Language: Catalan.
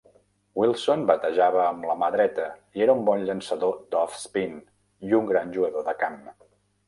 Wilson batejava amb la mà dreta i era un bon llançador d'off-spin i un gran jugador de camp.